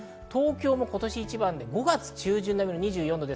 東京も今年一番で５月中旬並みの２４度。